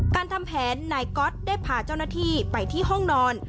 การทำแผนนายก๊อตได้พาเจ้าหน้าที่ไปที่ห้องนอน